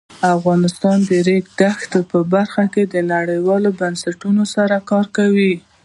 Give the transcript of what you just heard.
افغانستان د د ریګ دښتې په برخه کې نړیوالو بنسټونو سره کار کوي.